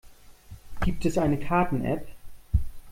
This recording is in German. Gibt es eine Karten-App?